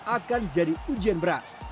akan jadi ujian berat